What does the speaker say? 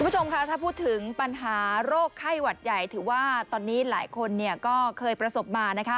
ถ้าพูดถึงปัญหาโรคไข้หวัดใหญ่ถือว่าตอนนี้หลายคนก็เคยประสบมา